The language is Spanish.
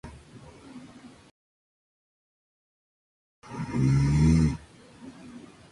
Blackwell es bien conocida por su trabajo hacia los derechos de las mujeres.